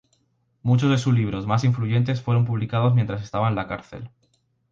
Muchos de sus libros más influyentes fueron publicados mientras estaba en la cárcel.